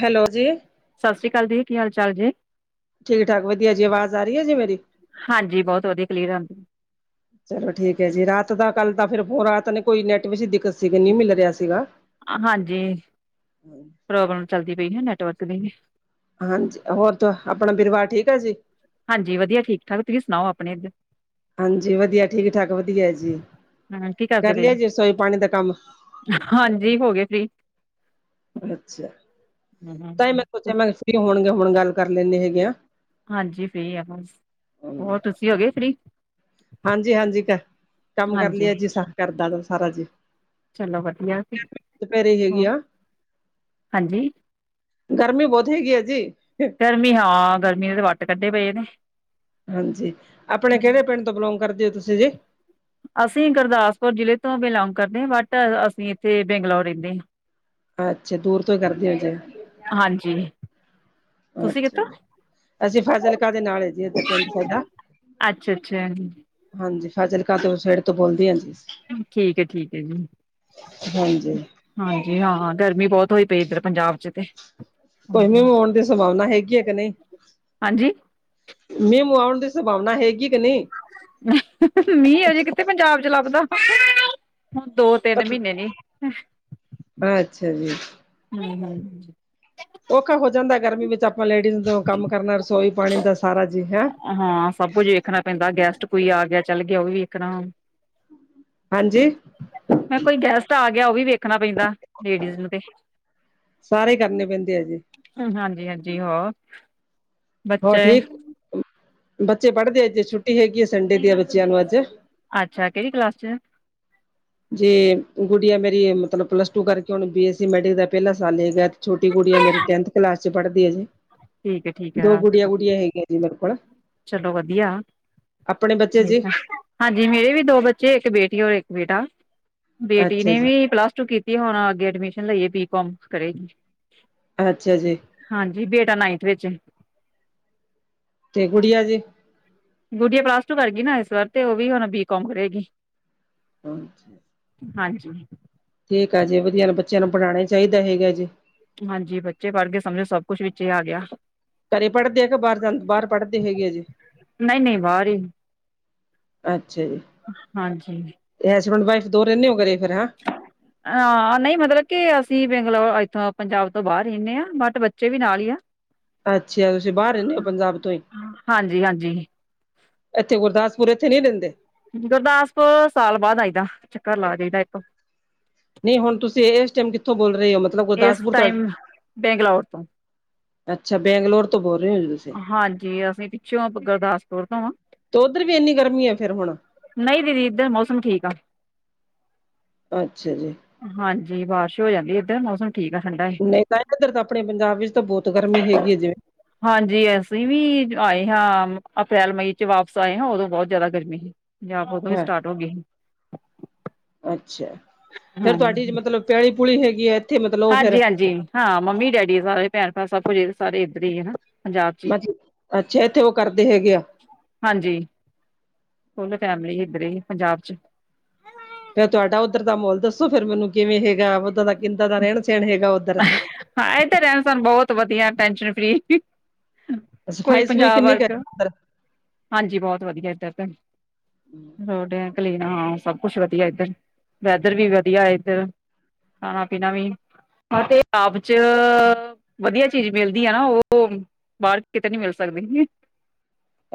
Hello ਜੀ। ਸਤਿ ਸ੍ਰੀ ਅਕਾਲ ਜੀ ਕੀ ਹਾਲ ਚਾਲ ਜੀ ਠੀਕ ਠਾਕ ਵਧੀਆ ਜੀ ਆਵਾਜ਼ ਆ ਰਹੀ ਹੈ ਜੀ ਮੇਰੀ ਹਾਂਜੀ ਬਹੁਤ ਵਧੀਆ ਕਲੀਅਰ ਆਂਦੀ ਚਲੋ ਠੀਕ ਹੈ ਜੀ ਰਾਤ ਦਾ ਕੱਲ ਤਾਂ ਫਿਰ ਫ ਰਾਤ ਨੇ ਕੋਈ ਨੈਟ ਵਿੱਚ ਦਿੱਕਤ ਸੀਗੀ ਨੀ ਮਿਲ ਰਿਹਾ ਸੀਗਾ। ਹਾਂਜੀ ਪ੍ਰੋਬਲਮ ਚੱਲਦੀ ਪਈ ਹੈ ਨੈਟਵਰਕ ਦੀ! ਹਾਂਜੀ ਹੋਰ ਤਾ ਆਪਣਾ ਪਰਿਵਾਰ ਠੀਕ ਹੈ ਜੀ। ਹਾਂਜੀ ਵਧੀਆ ਠੀਕ ਠਾਕ ਤੁਹੀ ਸੁਣਾਓ ਆਪਣੇ ਇੱਧਰ ਹਾਂਜੀ ਵਧੀਆ ਠੀਕ ਠਾਕ ਵਧੀਆ ਜੀ। ਹਮ ਕੀ ਕਰਦੇ ਕਰ ਪਏ ਲਿਆ ਜੀ ਰਸੋਈ ਪਾਣੀ ਦਾ ਕੰਮ ਹਾਂਜੀ ਹੋ ਗਏ ਫਰੀ ਅੱਛਾ ਤਾਂ ਹੀ ਮੈਂ ਸਚਿਆ ਮੈਂ ਫਰੀ ਹੋਣਗੇ ਹੁਣ ਗੱਲ ਕਰ ਲੈਂਦੇ ਹੈਗੇ ਆ। ਹਾਂਜੀ ਫ੍ਰੀ ਆ ਬਸ ਹੋਰ ਤੁਸੀਂ ਹੋ ਗਏ ਫ੍ਰਰੀ ਹਾਂਜੀ ਹਾਂਜੀ ਕੇਹ ਕੰਮ ਕਰ ਹਾਂਜੀ ਲਏ ਜੀ ਸ ਕਰਦਾ ਦਾ ਸਾਰਾ ਜੀ ਚਲੋ ਵਧੀਆ ਸੀ ਦੁਪਹਿਰੇ ਹੈਗੀ ਹੋਰ ਆ ਹਾਂਜੀ ਗਰਮੀ ਬਹੁਤ ਹੈਗੀ ਆ ਜੀ। ਗਰਮੀ' ਹਾਂ 'ਗਰਮੀ ਦੇ ਤਾਂ ਵੱਟ ਕੱਢੇ ਪਏ ਨੇ। ਹਾਂਜੀ ਆਪਣੇ ਕਿਹੜੇ ਪਿੰਡ ਤੋਂ ਬਿਲੋਂਗ ਕਰਦੇ ਹੋ ਤੁਸੀਂ ਜੀ? ਅਸੀਂ ਗੁਰਦਾਸਪੁਰ ਜ਼ਿਲ੍ਹੇ ਤੋਂ ਬਿਲੋਂਗ ਕਰਦੇ ਹਾਂ ਬਟ ਅਸੀਂ ਇੱਥੇ ਬੰਗਲੌਰ ਰਹਿੰਦੇ ਹਾਂ। ਅੱਛਾ ਦੂਰ ਤੋਂ ਹੀ ਕਰਦੇ ਹੋ ਜੇ ਹਾਂਜੀ। ਤੁਸੀਂ ਅੱਛਾ ਕਿੱਥੋਂ? ਜੀ ਅਸੀਂ ਫਾਜ਼ਿਲਕਾ ਦੇ ਨਾਲ ਜੀ ਉਥੇ ਪਿੰਡ ਸਾਡਾ ਅੱਛਾ ਅੱਛਾ। ਹਾਂਜੀ ਫਾਜ਼ਿਲਕਾਾਂ ਤੋਂ ਓਸ ਸਾਈਡ ਤੋਂ ਬੋਲਦੀ ਹਾਂ ਜੀ। ਠੀਕ ਹੈ ਠੀਕ ਹੈ ਜੀ। ਹਾਂਜੀ ਹਾਂਜੀ ਹਾਂ ਗਰਮੀ ਬਹੁਤ ਹੋਈ ਪਈ ਇੱਧਰ ਪੰਜਾਬ ਚ ਤੇ ਕੋਈ ਮਿਓ ਆਉਣ ਦੀ ਸੰਭਾਵਨਾ ਹੈਗੀ ਹੈ ਕਿ ਨਹੀਂ ਹਾਂਜੀ ਮੀਹ ਮੂੰਹ ਆਉਣ ਦੀ ਸੰਭਾਵਨਾ ਹੈਗੀ ਕਿ ਨਹੀਂ ਮੀਂਹ ਹਜੇ ਕਿਥੇ ਪੰਜਾਬ ਚ ਲੱਭਦਾ ਹੁਣ ਦੋ ਤਿੰਨ ਪਤ ਮਹੀਨੇ ਨੀ ਅੱਛਾ ਜੀ। ਹਮ ਹਮ ਔਖਾ ਹੋ ਜਾਂਦਾ ਗਰਮੀ ਵਿੱਚ ਆਪਾਂ ਲੇਡੀਜ਼ ਤੋਂ ਕੰਮ ਕਰਨਾ ਰਸੋਈ ਪਾਣੀ ਦਾ ਸਾਰਾ ਜੀ ਹੈਂ। ਹਾਂ ਸਭ ਕੁਝ ਵੇਖਣਾ ਪੈਂਦਾ ਗੈਸਟ ਕੋਈ ਆ ਗਿਆ ਚੱਲ ਗਿਆ ਉਹ ਵੀ ਵੇਖਣਾ। ਹਾਂਜੀ ਮੈਂ ਕੋਈ ਗੈਸਟ ਆ ਗਿਆ ਉਹ ਵੀ ਵੇਖਣਾ ਪੈਂਦਾ। ਲੇਡੀਜ਼ ਨੂੰ ਤੇ ਸਾਰੇ ਕਰਨੇ ਪੈਂਦੇ ਆ ਜੀ ਹਾਂਜੀ ਹਾਂਜੀ ਹੋਰ ਹੋਰ ਠੀਕ ਬੱਚੇ ਪੜ੍ਹਦੇ ਅੱਜੇ ਛੁੱਟੀ ਹੈਗੀ ਹੈ ਸੰਡੇ ਦੀਆਂ ਬੱਚਿਆਂ ਨੂੰ ਅੱਜ ਅੱਛਾ ਕਿਹੜੀ ਕਲਾਸ ਚ ਜੇ ਗੁੜੀਆਂ ਮੇਰੀ ਮਤਲਬ ਪਲੱਸ ਟੂ ਕਰਕੇ ਹੁਣ ਬੀਸੀ ਮੈਡੀਕਲ ਦਾ ਪਹਿਲਾ ਸਾਲ ਹੈਗਾ। ਛੋਟੀ ਗੁੜੀਆਂ ਮੇਰੀ ਟੈਂਨਥ ਕਲਾਸ ਚ ਪੜ੍ਹਦੀ ਹੈ ਜੀ ਠੀਕ ਹੈ ਠੀਕ ਦੋ ਹੈ ਗੁੜੀਆਂ ਗੁੜੀਆਂ ਹੈਗੀਆਂ ਜੀ ਮੇਰੇ ਕੋਲ ਚਲੋ ਵਧੀਆ ਆਪਣੇ ਬੱਚੇ ਜੀ ਅਕੇਲਾ। ਹਾਂਜੀ ਮੇਰੇ ਵੀ ਦੋ ਬੱਚੇ ਇੱਕ ਬੇਟੀ ਔਰ ਇੱਕ ਬੇਟਾ ਬੇਟੀ ਅੱਛਾ ਨੇ ਜੀ। ਵੀ ਪਲੱਸ ਟੂ ਕੀਤੀ। ਕੀ ਹੁਣ ਅੱਗੇ ਐਡਮਿਸ਼ਨ ਲਈਏ ਬੀ ਕੌਮ ਕਰੇਗੀ। ਅੱਛਾ ਜੀ। ਹਾਂਜੀ ਬੇਟਾ ਨਾਈਨਥ ਵਿੱਚ ਤੇ ਗੁੜੀਆ ਜੇ ਗੁੱਡੀਆ ਪਲਾਸ ਟੂ ਕਰ ਗਈ ਨਾ ਇਸ ਵਾਰ ਤੇ ਉਹ ਵੀ ਹੁਣ ਬੀ ਕੌਮ ਕਰੇਗੀ। ਹਾਂਜੀ। ਹਾਂਜੀ। ਠੀਕ ਆ ਜੀ ਵਧੀਆ ਬੱਚਿਆਂ ਨੂੰ ਪੜ੍ਹਉਣਾ ਚਾਹੀਦਾ ਹੈਗਾ ਜੇ। ਹਾਂਜੀ ਬੱਚੇ ਪੜ੍ਹ ਗਏ ਸਮਝੋ ਸਭ ਕੁਛ ਵਿੱਚ ਹੀ ਆ ਗਿਆ। ਘਰੇ ਪੜ੍ਹਦੇ ਹੈਗੇ ਬਾਹਰ ਜਾਂਦੇ ਬਾਹਰ ਪੜ੍ਹਦੇ ਹੈਗੇ ਆ ਜੇ ਨਹੀਂ ਨਹੀਂ ਬਾਹਰ ਹੀ ਅੱਛਾ ਜੀ। ਹਾਂਜੀ। ਹਸਬੈਂਡ ਵਾਈਫ ਦੋ ਰਹਿੰਦੇ ਹੋ ਘਰੇ ਫਿਰ ਹੈ। ਹਾਂ ਨਹੀਂ ਮਤਲਬ ਕਿ ਅਸੀਂ ਬੰਗਲੌਰ ਇੱਥੋਂ ਪੰਜਾਬ ਤੋਂ ਬਾਹਰ ਰਦੇ ਹਾਂ ਬਟ ਬੱਚੇ ਵੀ ਨਾਲ ਹੀ ਆ। ਅੱਛਾ ਤੁਸੀਂ ਬਾਹਰ ਰਹਦੇ ਹੋ ਪੰਜਾਬ ਤੋਂ ਹੀ ਹਾਂਜੀ ਹਾਂਜੀ ਇੱਥੇ ਗੁਰਦਾਸਪੁਰ ਇੱਥੇ ਨੀ ਰਹਿੰਦੇ ਗੁਰਦਾਸਪੁਰ ਸਾਲ ਬਾਅਦ ਆਈ ਦਾ ਚੱਕਰ ਲਾ ਜਾਈਦਾ ਇੱਕ। ਨਹੀਂ ਹੁਣ ਤੁਸੀਂ ਇਸ ਟਾਈਮ ਕਿੱਥੋਂ ਬੋਲ ਰਹੇ ਹੋ ਮਤਲਬ ਇਸ ਗੁਰਦਾਸਪੁਰ ਤੁਹਾਡੇ ਟਾਈਮ ਬੈਂਗਲੌਰ ਤੋਂ ਅੱਛਾ ਬੈਂਗਲੋਰ ਤੋਂ ਬੋਲ ਰਹੇ ਹੋ। ਤੁਸੀਂ ਹਾਂਜੀ ਅਸੀਂ ਪਿੱਛੋਂ ਗੁਰਦਾਸਪੁਰ ਤੋਂ ਆ ਤੇ ਉੱਧਰ ਵੀ ਇੰਨੀ ਗਰਮੀ ਹੈ ਫਿਰ ਹੁਣ ਨਹੀਂ ਦੀਦੀ ਇੱਧਰ ਮੌਸਮ ਠੀਕ ਆ। ਅੱਛਾ ਜੀ। ਹਾਂਜੀ ਬਾਰਿਸ਼ ਹੋ ਜਾਂਦੀ ਇੱਧਰ ਮੌਸਮ ਠੀਕ ਹੈ ਠੰਡਾ ਨਹੀਂ ਤਾਂ ਇੱਧਰ ਤਾਂ ਆਪਣੇ ਪੰਜਾਬ ਵਿੱਚ ਤਾਂ ਬਹੁਤ ਗਰਮੀ ਹੈਗੀ ਹੈ ਜਿਵੇਂ ਹਾਂਜੀ ਅਸੀਂ ਵੀ ਆਏ ਹਾਂ ਅਪ੍ਰੈਲ ਮਈ ਚ ਵਾਪਸ ਆਏ ਹਾਂ ਉਦੋਂ ਬਹੁਤ ਜ਼ਿਆਦਾ ਗਰਮੀ ਸੀ। ਪੰਜਾਬ ਉਦੋਂ ਵੀ ਹੈ ਸਟਾਰਟ ਹੋ ਗਈ ਸੀ। ਅੱਛਾ ਫਿਰ ਤੁਹਾਡੀ ਹਾਂਜੀ ਮਤਲਬ ਪਿਆਲੀ ਪੂਲੀ ਹੈਗੀ ਹੈ। ਇੱਥੇ ਮਤਲਬ ਉਹ ਫੇਰ ਹਾਂਜੀ ਹਾਂਜੀ ਹਾਂ ਮੰਮੀ ਡੈਡੀ ਸਾਰੇ ਭੈਣ ਭਰਾ ਸਭ ਕੁਝ ਸਾਰੇ ਇੱਧਰ ਹੀ ਹਨਾ। ਪੰਜਾਬ ਚ ਹੀ ਅੱਛਾ ਜੀ ਅੱਛਾ ਉਹ ਕਰਦੇ ਹੈਗੇ ਆ। ਹਾਂਜੀ ਫੁੱਲ ਫੈਮਲੀ ਇੱਧਰ ਹੀ ਪੰਜਾਬ ਚ। ਫਿਰ ਤੁਹਾਡਾ ਉੱਧਰ ਦਾ ਮਾਹਲ ਦੱਸੋ ਫਿਰ ਮੈਨੂੰ ਕਿਵੇਂ ਹੈਗਾ ਉੱਦਾਂ ਦਾ ਕਿੱਦਾਂ ਦਾ ਰਹਿਣ ਸਹਿਣ ਹੈਗਾ। ਉੱਧਰ ਹਾਂ ਇਹ ਤੇ ਰਹਿਣ ਸਹਿਣ ਬਹੁਤ ਵਧੀਆ ਟੈਨਸ਼ਨ ਫਰੀ ਕੋਈ ਸਫ਼ਾਈ ਸਫੂਈ ਪੰਜਾਬ ਕਿੰਨੀ ਕੁ ਹੈ ਵਰਗ ਉੱਧਰ ਹਾਂਜੀ ਬਹੁਤ ਵਧੀਆ ਇਧਰ ਤੇ ਰੋਂਡ ਡੈਂਟ ਕਲੀਨ ਹਾਂ ਸਭ ਕੁਛ ਵਧੀਆ ਇੱਧਰ ਵੈਦਰ ਵੀ ਵਧੀਆ ਇੱਧਰ ਖਾਣਾ ਪੀਣਾ ਵੀ। ਅਤੇ ਆਪ ਚ ਵਧੀਆ ਚੀਜ਼ ਮਿਲਦੀ ਆ ਨਾ ਉਹ। ਬਾਹਰ ਕਿਤੇ ਨੀ ਮਿਲ ਸਕਦੇ।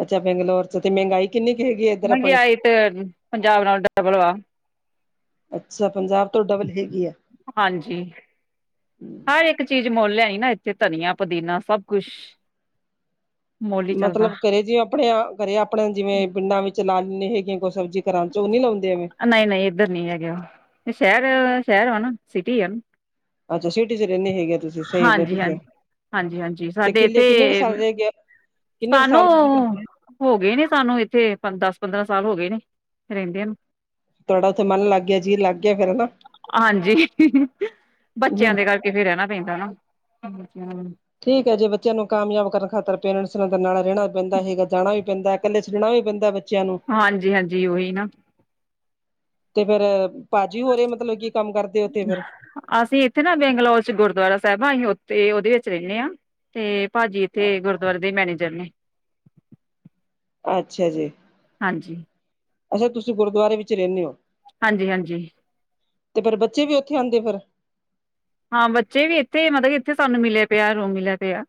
ਅੱਛਾ ਬੰਗਲੌਰ ਚ ਤੇ ਮਹਿੰਗਾਈ ਕਿੰਨੀ ਹੈਗੀ ਹੈ ਇੱਧਰ ਆਪਣੇ। ਮਹਿੰਗਾਈ ਤੇ ਪੰਜਾਬ ਨਾਲ ਡਬਲ ਵਾ। ਅੱਛਾ ਪੰਜਾਬ ਤੋਂ ਡਬਲ ਹੈਗੀ ਆ। ਹਾਂਜੀ ਹਰ ਇੱਕ ਚੀਜ਼ ਮੁੱਲ ਲਿਆਈ ਨਾ ਇੱਥੇ ਧਨੀਆ ਪੁਦੀਨਾ ਸਭ ਕੁਛ ਮੁੱਲ ਹੀ ਚੱਲਦਾ ਮਤਲਬ ਕਰੇ ਜਿਵੇਂ ਆਪਣੇ ਕਰੇ ਆਪਣੇ ਜਿਵੇਂ ਪਿੰਡਾਂ ਵਿੱਚ ਨਾਲੀਆਂ ਹੈਗੀਆਂ ਕੌਸਲ ਚ। ਘਰਾਂ ਚ ਉਹ ਨੀ ਲਾਉਂਦੇ ਐਵੇਂ ਨਹੀਂ ਨਹੀਂ ਇੱਧਰ ਨਹੀਂ ਹੈਗੇ ਉਹ ਸ਼ਹਿਰ ਸ਼ਹਿਰ ਆ ਨਾ ਸਿਟੀ ਆ ਨਾ। ਅੱਛਾ ਸੀਟੀ ਚ ਰਹਿੰਦੇ ਹੈਗੇ ਤੁਸੀਂ। ਸਹੀ ਹਾਂਜੀ ਤੁਸੀਂ ਹਾਂਜੀ ਹਾਂਜੀ ਹਾਂਜੀ ਤੇ ਸਾਡੇ ਕਿੱਲੇ ਇੱਥੇ ਕਿੰਨੇ ਕੁ ਸਾਲ ਰਹਿ ਗਿਆ ਕਿੰਨੇ ਕੁ ਸਾਨੂੰ ਸਾਲ ਹੋ ਗਏ ਨੇ ਸਾਨੂੰ ਇੱਥੇ ਦਸ ਪੰਦਰਾਂ ਸਾਲ ਹੋ ਗਏ ਨੇ ਰਹਿੰਦਿਆਂ ਨੂੰ। ਤੁਹਾਡਾ ਉੱਥੇ ਮਨ ਲੱਗ ਗਿਆ ਜੀ ਲੱਗ ਗਿਆ ਫੇਰ ਹਨਾ ਹਾਂਜੀ ਬੱਚਿਆਂ ਹਮ ਦੇ ਗੱਲ। ਕਿਤੇ ਰਹਿਣਾ ਪੈਂਦਾ ਨਾ ਆਜਾ। ਠੀਕ ਹੈ ਜੇ ਬੱਚਿਆਂ ਨੂੰ ਕਾਮਯਾਬ ਕਰਨ ਖਾਤਰ ਪੇਰੈਂਟਸ ਨਾਲ ਨਾਲ ਰਹਿਣਾ ਵੀ ਪੈਂਦਾ ਹੈਗਾ ਜਾਣਾ ਵੀ ਪੈਂਦਾ ਇਕੱਲੇ ਸੈਣਾ ਵੀ ਪੈਂਦਾ ਬੱਚਿਆਂ ਨੂੰ। ਹਾਂਜੀ ਹਾਂਜੀ, ਉਹੀ ਨਾ ਤੀਗਰ ਭਾਜੀ ਹੋਰੇ ਮਤਲਬ ਕਿ ਅਸੀਂ ਇੱਥੇ ਨਾ ਬੈਂਗਲੋਰ ਚ ਗੁਰਦੁਆਰਾ ਸਾਹਿਬ ਆ ਅਸੀਂ ਉਥੇ ਉਹਦੇ ਵਿੱਚ ਰਹਿੰਦੇ ਹਾਂ। ਤੇ ਭਾਜੀ ਤੇ ਗੁਰਦੁਆਰੇ ਦੇ ਮੈਨੇਜਰ ਨੇ ਅੱਛਾ ਜੀ ਹਾਂਜੀ ਅੱਛਾ ਤੁਸੀਂ ਗੁਰਦੁਆਰੇ ਵਿੱਚ ਰਹਿੰਦੇ ਹੋ। ਹਾਂਜੀ, ਹਾਂਜੀ ਤੇ ਫਿਰ ਬੱਚੇ ਵੀ ਉੱਥੇ ਆਉਂਦੇ ਖਰ ਹਾਂ ਬੱਚੇ ਵੀ ਇੱਥੇ ਮਤਲਬ ਇੱਥੇ ਸਾਨੂੰ ਮਿਲਿਆ ਪਿਆ ਰੋ ਮਿਲਿਆ ਪਿਆ।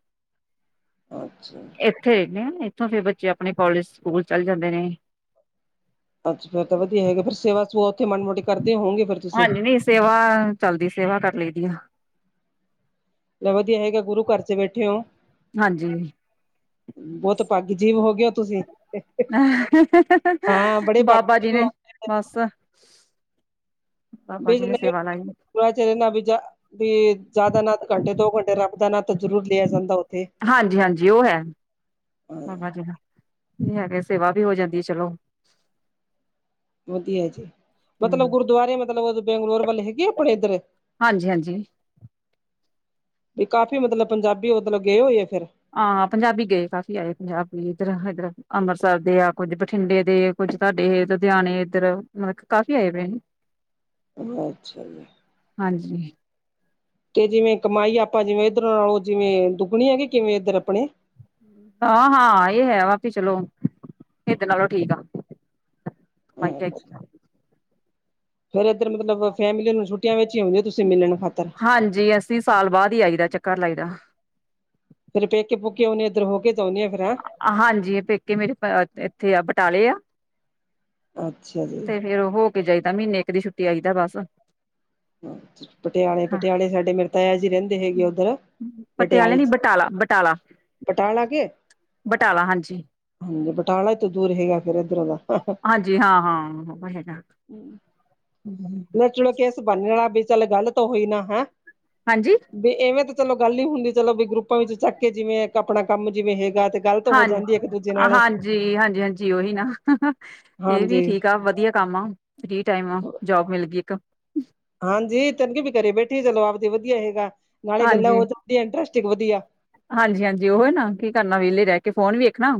ਅੱਛਾ। ਇੱਥੇ ਰਹਿੰਦੇ ਇੱਥੋਂ ਫਿਰ ਬੱਚੇ ਆਪਣੇ ਕੋਲਜ ਸਕੂਲ ਚੱਲ ਜਾਂਦੇ ਨੇ। ਅੱਛਾ ਫਿਰ ਵਧੀਆ ਹੈ ਸੇਵਾ ਸੂਵਾ ਉੱਥੇ ਮਾਰੀ ਮੋਟੀ ਕਰਦੇ ਹੋਣਗੇ ਤੁਸੀਂ। ਹਾਂਜੀ ਨਹੀਂ ਸੇਵਾ ਚੱਲਦੀ ਸੇਵਾ ਕਰ ਲਈ ਦੀ ਆ। ਵਧੀਆ ਹੈਗਾ ਗੁਰੂ ਘਰ ਚ ਬੈਠੇ ਹੋ। ਹਾਂਜੀ ਬਹੁਤ ਭੱਗ ਜੀਵ ਹੋ ਗਿਆ ਤੁਸੀਂ। ਹਾਂ ਬੜੇ ਬਾਬਾ ਭਾਗੀ ਜੀ ਜੀਵ ਹੋ ਨੇ। ਬਸ ਬਾਬਾ ਜੀ ਨੇ ਸੇਵਾ ਲਾਈ। [unintelligible] ਤੇ ਜ਼ਿਆਦਾ ਨਾ ਘੰਟੇ ਦੋ ਘੰਟੇ ਰੱਬ ਦਾ ਨਾ ਤਾਂ ਜ਼ਰੂਰ ਲਿਆ ਜਾਂਦਾ। ਉੱਥੇ ਹਾਂਜੀ- ਹਾਂਜੀ ਉਹ ਹੈ। ਹਾਂ ਬਾਬਾ ਜੀ ਹੈਗੇ ਸੇਵਾ ਵੀ ਹੋ ਜਾਂਦੀ ਚਲੋ। ਵਧੀਆ ਜੀ ਮਤਲਬ ਹੂੰ ਗੁਰਦੁਆਰੇ ਮਤਲਬ ਬੈਂਗਲੋਰ ਵੱਲ ਹੈਗੇ ਆਪਣੇ ਇੱਧਰ ਹਾਂਜੀ-ਹਾਂਜੀ ਵੀ ਕਾਫੀ ਮਤਲਬ ਪੰਜਾਬੀ ਮਤਲਬ ਗਏ ਹੋਏ ਆ ਫਿਰ ਹਾਂ। ਪੰਜਾਬੀ ਗਏ ਕਾਫੀ ਆਏ ਪੰਜਾਬੀ ਇੱਧਰ- ਇੱਧਰ ਅੰਮ੍ਰਿਤਸਰ ਦੇ ਆ ਕੁੱਝ ਬਠਿੰਡੇ ਦੇ ਕੁੱਝ ਤੁਹਾਡੇ ਇਹ ਲੁਧਿਆਣੇ ਇੱਧਰ ਕਾਫੀ ਆਏ ਪਏ ਨੇ। ਅੱਛਾ ਜੀ ਹਾਂਜੀ ਤੇ ਜਿਵੇਂ ਕਮਾਈ ਆਪਾਂ ਜਿਵੇਂ ਇੱਧਰੋਂ ਨਾਲੋਂ ਜਿਵੇਂ ਦੁਗਣੀ ਹੈਗੀ ਕਿਵੇਂ ਇੱਧਰ ਆਪਣੇ ਹਾਂ ਹਾਂ ਇਹ ਹੈ ਵਾਪਸ ਚਲੋ ਇਧਰ ਲਾ ਲਓ ਠੀਕ ਆ। ਹਾਈਜੈਕ ਫਿਰ ਇਧਰ ਮਤਲਬ ਫੈਮਲੀ ਨੂੰ ਛੁੱਟੀਆ ਵਿੱਚ ਹੀ ਆਉੁੰਦੀ ਹੋ ਤੁਸੀਂ ਮਿਲਣ ਖਾਤਰ- ਹਾਂਜੀ ਅਸੀਂ ਸਾਲ ਬਾਅਦ ਹੀ ਆਈ ਦਾ ਚੱਕਰ ਲਾਈ ਦਾ। ਫਿਰ ਪੇਕੇ ਪੂਕੇ ਹੁਣੇ ਇਧਰ ਹੋ ਕੇ ਜਾ ਆਉਦੇ ਆ ਫਿਰ ਹਾਂ। ਹਾਂਜੀ ਪੇਕੇ ਮੇਰੇ ਇੱਥੇ ਆ ਬਟਾਲੇ ਆ। ਅੱਛਾ ਜੀ ਤੇ ਫਿਰ ਹੋ ਕੇ ਜਾਈਦਾ ਮਹੀਨੇ ਇੱਕ ਦੀ ਛੁੱਟੀ ਆਈ ਦਾ ਬਸ ਪਟਿਆਲੇ ਹਾਂ ਪਟਿਆਲੇ ਸਾਡੇ ਮੇਰੇ ਤਾਇਆ ਜੀ ਰਹਿੰਦੇ ਹੈਗੇ ਉੱਧਰ ਪਟਿਆਲੇ ਨੀ ਚ। ਬਟਾਲਾ ਬਟਾਲਾ। ਬਟਾਲਾ ਕੇ। ਬਟਾਲਾ ਹਾਂਜੀ। ਹਾਂਜੀ ਬਟਾਲਾ ਤੋਂ ਦੂਰ ਹੈਗਾ ਫਿਰ ਇਧਰ ਦਾ ਹਾਂਜੀ ਹਾਂ ਹਾਂ ਹੂ,,, ਉਜਲਾ ਕੇਸ ਬਣ ਜਾਣਾ ਚੱਲ ਗੱਲ ਤਾਂ ਉਹੀ ਨਾ ਹੈ। ਹਾਂਜੀ ਵੀ ਐਵੇਂ ਤਾਂ ਚਲੋ ਗੱਲ ਹੀ ਹੁੰਦੀ ਚਲੋ ਵੀ ਗਰੁੱਪਾਂ ਵਿੱਚ ਚੱਕ ਕੇ ਜਿਵੇਂ ਆਪਣਾ ਕੰਮ ਜਿਵੇਂ ਹੈਗਾ ਗਲਤ ਹੋ ਹਾਂ ਜਾਂਦੀ ਹੈ। ਹਾਂਜੀ -ਹਾਂਜੀ -ਹਾਂਜੀ ਓਹੀ ਨਾ ਇਹ ਵੀ ਹਾਂਜੀ ਠੀਕ ਆ ਵਧੀਆ ਕੰਮ ਆ। ਫਰੀ ਟਾਈਮ ਆ ਜੋਬ ਮਿਲਗੀ ਇੱਕ। ਹਾਂਜੀ। ਤਰਕੀ ਵੀ ਕਰੇ ਬੈਠੀ ਚਲੋ ਆਪਦੀ ਵਧੀਆ ਹੈਗਾ ਨਾਲੇ ਗੱਲਾਂ ਹਾਂਜੀ, ਹੋਤ ਵਧੀਆ ਇੰਟਰਸਟੀਗ ਵਧੀਆ। ਹਾਂਜੀ -ਹਾਂਜੀ। ਉਏ ਨਾ ਕੀ ਕਰਨਾ ਵਿਹਲੇ ਰਹਿ ਕੇ ਫੋਨ ਵੇਖਣਾ।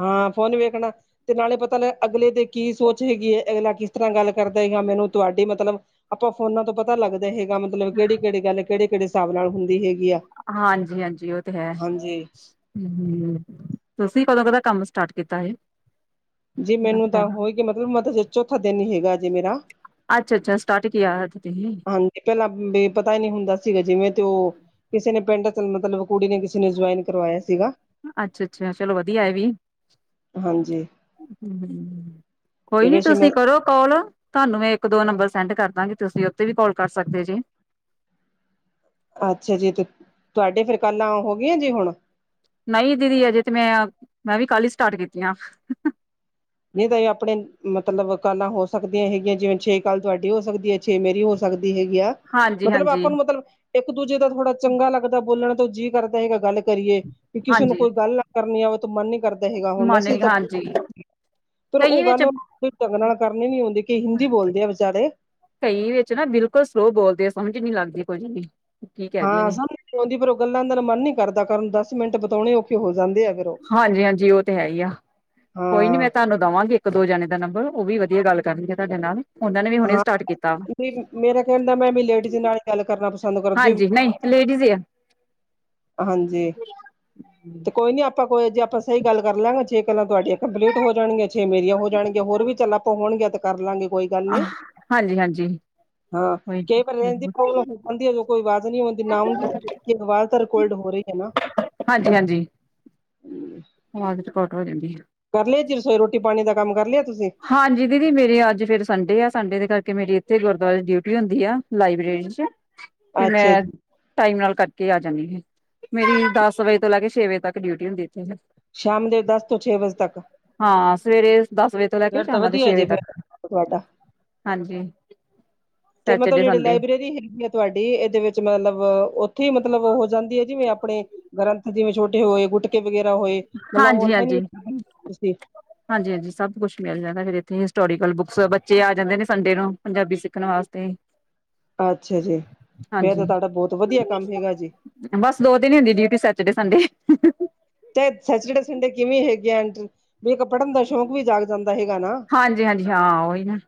ਹਾਂ, ਫੋਨ ਵੇਖਣਾ। ਤੇ ਨਾਲੇ ਪਤਾ ਲ ਅਗਲੇ ਦੇ ਕੀ ਸੋਚ ਹੈਗੀ ਏ, ਅਗਲਾ ਕਿਸ ਤਰ੍ਹਾਂ ਗੱਲ ਕਰਦਾ ਹੈ। ਯਾਂ ਮੈਨੂੰ ਤੁਹਾਡੀ ਮਤਲਬ ਆਪਾਂ ਫੋਨਾ ਤੋਂ ਪਤਾ ਲੱਗਦਾ ਹੈਗਾ ਮਤਲਬ ਕਿਹੜੀ -ਕਿਹੜੀ ਗੱਲ ਕਿਹੜੇ -ਕਿਹੜੇ ਹਿਸਾਬ ਨਾਲ ਹੁੰਦੀ ਹੈਗੀ ਆ। ਹਾਂਜੀ -ਹਾਂਜੀ, ਉਹ ਤੇ ਹੈ। ਹਾਂਜੀ ਹਮ-ਮ ਤੁਸੀਂ ਕਦੋਂਕਦਾ ਕੰਮ ਸਟਾਰਟ ਕੀਤਾ ਇਹ। ਜੀ ਮੈਨੂੰ ਤਾਂ ਹੋਏਗੇ ਮਤਲਬ [unintelligible] ਚੌਥਾ ਦਿਨ ਹੀ ਹੈਗਾ ਜੇ ਮੇਰਾ। ਅੱਛਾ- ਅੱਛਾ ਸਟਾਰਟ ਕੀਆ ਹੈ। [unintelligible] ਹਾਂਜੀ। ਪਹਿਲਾਂ ਬੇ ਪਤਾ ਹੀ ਨਹੀ ਹੁੰਦਾ ਸੀਗਾ ਜਿਵੇਂ ਤੇ ਉ। ਕਿਸੇ ਨੇ ਪਿੰਡ ਤ ਮਤਲਬ ਕੁੜੀ ਨੇ ਕਿਸੇ ਨੇ ਜੁਆਇਨ ਕਰਵਾਇਆ ਸੀਗਾ। ਅੱਛਾ -ਅੱਛਾ। ਚਲੋ ਵਧੀਆ ਏ ਵੀ। ਹਾਂਜੀ। [unintelligible] ਕੋਈ ਤੇ ਨੀ ਵੈਸੇ ਮੈਂ ਤੁਸੀਂ ਕਰੋ। ਕਾਲ ਤੁਹਾਨੂੰ ਮੈਂ ਇੱਕ ਦੋ ਨੰਬਰ ਸੈਂਡ ਕਰਦਾਂਗੀ। ਤੁਸੀਂ ਉੱਤੇ ਵੀ ਕਾਲ ਕਰ ਸਕਦੇ ਜੇ। ਅੱਛਾ ਜੀ! ਤੇ ਤੁਹਾਡੇ ਫੇਰ ਕਾਲਾਂ ਹੋ ਗਈਆਂ ਜੀ ਹੁਣ? ਨਹੀਂ ਦੀਦੀ ਅਜੇ ਤੇ ਮੈਂ, ਮੈਂ ਵੀ ਕੱਲ ਹੀ ਸਟਾਰਟ ਕੀਤੀਆਂ। ਨਹੀਂ ਤਾਂ ਇਹ ਆਪਣੇ ਮਤਲਬ ਕਾਲਾਂ ਹੋ ਸਕਦੀਆਂ ਹੈਗੀਆਂ ਜਿਵੇਂ ਛੇ ਕਾਲਾਂ ਤੁਹਾਡੀ ਹੋ ਸਕਦੀ ਏ। ਛੇ ਮੇਰੀ ਹੋ ਸਕਦੀ ਹੈਗੀਆ। ਹਾਂਜੀ, ਮਤਲਬ ਹਾਂਜੀ ਆਪਾਂ ਨੂੰ ਮਤਲਬ ਇੱਕ ਦੂਜੇ ਦਾ ਥੋੜ੍ਹਾ ਚੰਗਾ ਲੱਗਦਾ ਬੋਲਣ ਤੋਂ ਜੀਅ ਕਰਦਾ ਹੈਗਾ ਗੱਲ ਕਰੀਏ। ਵੀ ਕਿਸੇ ਨੂੰ ਹਾਂਜੀ ਕੋਈ ਗੱਲ ਨਾ ਕਰਨੀ ਆਵੇ ਤਾਂ ਮਨ ਨੀ ਕਰਦਾ ਹੈਗਾ ਹੁਣ ਮਾਨੇ ਮੈਸੇਜ ਤਾਂ ਹਾਂਜੀ ਫੇਰ ਕਈ ਉਹ ਵਿੱਚ ਗੱਲ [inaudible] ਉਹ ਢੰਗ ਨਾਲ ਕਰਨੀ ਨੀ ਆਉਂਦੀ ਕਿ ਹਿੰਦੀ ਬੋਲਦੇ ਆ ਵਿਚਾਰੇ। ਕਈ ਵਿੱਚ ਨਾ ਬਿਲਕੁਲ ਸਲੋਅ ਬੋਲਦੇ ਸਮਝ ਨੀ ਲੱਗਦੀ ਕੁਝ ਵੀ। ਕੀ ਕਹਿਦੇ ਹਾਂ, ਨੇ ਸਮਝ ਨੀ ਆਉਂਦੀ ਪਰ ਉਹ ਗੱਲਾਂ ਦਰ ਮਨ ਨੀ ਕਰਦਾ ਕਰਨ ਦਸ ਮਿੰਟ ਬਿਤਾਉਣੇ ਹਾਂਜੀ-ਹਾਂਜੀ, ਉਹ ਤੇ ਹੈ ਹੀ ਆ ਕੋਈ ਨੀ ਹਾਂ ਮੈਂ ਤੁਹਾਨੂੰ ਦੇਵਾਂਗੀ ਇੱਕ ਦੋ ਜਾਣੇ ਦਾ ਨੰਬਰ ਉਹ ਵੀ ਵਧੀਆ ਗੱਲ ਕਰਦੀ ਹੈ, ਤੁਹਾਡੇ ਨਾਲ। ਉਹਨਾਂ ਨੇ ਵੀ ਹੁਣੇ ਹਾਂ ਸਟਾਰਟ ਕੀਤਾ ਵਾ ਬੀ ਮੇਰਾ ਕਹਿਣ ਦਾ ਮੈਂ ਵੀ ਲੇਡੀਜ਼ ਨਾਲ ਗੱਲ ਕਰਨਾ ਪਸੰਦ ਕਰਦੀ ਹਾਂਜੀ ਨਹੀਂ ਲੇਡੀਜ਼ ਈ ਆ। ਹਾਂਜੀ, ਤੇ ਕੋਈ ਨੀ ਆਪ ਆਪਾਂ ਕੋਈ ਜੇ ਆਪਾਂ ਸਹੀ ਗੱਲ ਕਰ ਲਾਂਗੇ ਛੇ ਗੱਲਾਂ ਤੁਹਾਡੀਆਂ ਕੰਪਲੀਟ ਹੋ ਜਾਣਗੀਆਂ ਛੇ ਮੇਰੀਆਂ ਹੋ ਜਾਣਗੀਆਂ। ਹੋਰ ਵੀ ਚੱਲਾਂ ਹੋਣਗੀਆਂ ਤੇ ਕਰ ਲਾਂਗੇ ਕੋਈ ਗੱਲ ਨੀ। ਜੀ। ਹਾਂ [inaudible] ਰਿਕੋਲਡ ਹੋ ਰਹੀ ਹੈ ਨਾ। ਹਾਂਜੀ ਹਾਂਜੀ [inaudible] ਕਰ ਲਿਆ ਜੀ ਰਸੋਈ ਰੋਟੀ ਪਾਣੀ ਦਾ ਕੰਮ ਕਰ ਲਿਆ ਤੁਸੀਂ। ਹਾਂਜੀ ਦੀਦੀ ਮੇਰੇ ਅੱਜ ਫੇਰ ਸੰਡੇ ਆ। ਸੰਡੇ ਦੇ ਕਰਕੇ ਮੇਰੀ ਇੱਥੇ ਗੁਰਦੁਆਰੇ ਡਿਊਟੀ ਹੁੰਦੀ ਆ। ਲਾਈਬ੍ਰੇਰੀ 'ਚ ਤੇ ਅੱਛਾ ਮੈਂ ਜੀ ਟਾਈਮ ਨਾਲ ਕਟਕੇ ਆ ਜਾਂਨੀ। ਮੇਰੀ ਦਸ ਵਜੇ ਤੋਂ ਲੈ ਕੇ ਛੇ ਵਜੇ ਤੱਕ ਡਿਊਟੀ ਹੁੰਦੀ ਇੱਥੇ। ਸ਼ਾਮ ਦੇ ਦੱਸ ਤੋਂ ਛੇ ਵਜੇ ਤੱਕ। ਹਾਂ। ਸਵੇਰੇ ਦੱਸ ਵਜੇ ਤੋਂ ਲੈ ਕੇ ਫੇਰ ਤਾਂ ਸ਼ਾਮਾਂ ਦੇ ਵਧੀਆ ਛੇ ਵਜੇ ਜੀ ਫਿਰ ਤੱਕ। ਤੁਹਾਡਾ ਹਾਂਜੀ। ਤੇ ਮਤਲਬ ਸੈਚਰਡੇ ਜਿਹੜੇ ਸੰਡੇ ਲਾਈਬ੍ਰੇਰੀ ਹੈਗੀ ਏ ਤੁਹਾਡੀ ਇਹਦੇ ਵਿੱਚ ਮਤਲਬ ਉੱਥੇ ਮਤਲਬ ਹੋ ਜਾਂਦੀ ਹੈ, ਜਿਵੇਂ ਆਪਣੇ ਗ੍ਰੰਥ ਜਿਵੇਂ ਛੋਟੇ ਹੋਏ, ਗੁਟਕੇ ਵਗੈਰਾ ਹੋਏ ਮਤਲਬ ਹਾਂਜੀ ਹਾਂਜੀ [unintelligible] ਹਾਂਜੀ -ਹਾਂਜੀ, ਸਭ ਕੁਛ ਮਿਲ ਜਾਂਦਾ ਫਿਰ ਇੱਥੇ ਹਿਸਟੋਰੀਕਲ ਬੁੱਕਸ ਬੱਚੇ ਆ ਜਾਂਦੇ ਨੇ ਸੰਡੇ ਨੂੰ ਪੰਜਾਬੀ ਸਿੱਖਣ ਵਾਸਤੇ। ਅੱਛਾ ਜੀ, ਫੇਰ ਤਾਂ ਹਾਂਜੀ ਤੁਹਾਡਾ ਬਹੁਤ ਵਧੀਆ ਕੰਮ ਹੈਗਾ ਜੀ। ਬਸ ਦੋ ਦਿਨ ਹੀ ਹੁੰਦੀ ਡਿਊਟੀ ਸੈਚਡੇ ਸੰਡੇ। ਚਾਹ ਸੈਚਡੇ ਸੰਡੇ ਕਿਵੇਂ ਹੈਗੇ ਆ ਵੀ ਇੱਕ ਪੜ੍ਹਨ ਦਾ ਸ਼ੌਂਕ ਵੀ ਜਾਗ ਜਾਂਦਾ ਹੈਗਾ ਨਾ। ਹਾਂਜੀ ਹਾਂਜੀ ਹਾਂ ਉਹੀ ਨਾ।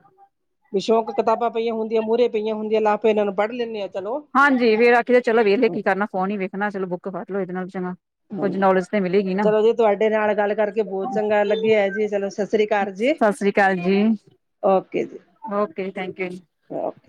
ਬ ਸ਼ੌਕ ਕਿਤਾਬਾਂ ਪਈਆਂ ਹੁੰਦੀਆਂ ਮੂਹਰੇ ਪਆਂ ਹੁੰਦੀਆਂ ਲ ਫਿਰ ਇਹਨਾਂ ਨੂੰ ਪੜ੍ਹ ਲੈਂਦੇ ਹਾਂ ਚਲੋ। ਹਾਂਜੀ ਵੇਰ ਆਖੀ ਚਲੋ ਵੇਖਲੇ ਕੀ ਕਰਨਾ ਫੋਨ ਹੀ ਵੇਖਣਾ ਚਲੋ ਬੁੱਕ ਕਰ ਲੋ ਇਹਦੇ ਨਾਲ ਚੰਗਾ। ਹਮ ਕੁੱਝ ਨੌਲੇਜ ਤੇ ਮਿਲੇਗੀ ਨਾ ਚਲੋ ਜੀ ਤੁਹਾਡੇ ਨਾਲ ਗੱਲ ਕਰਕੇ ਬਹੁਤ ਚੰਗਾ ਲੱਗ ਹੈ ਜੀ ਚਲੋ ਸਤਿ ਸ੍ਰੀ ਅਕਾਲ ਜੀ। ਸਤਿ ਸ਼੍ਰੀ ਅਕਾਲ ਜੀ ਓਕੇ ਥੈਂਕ ਯੂ। ਅਤੇ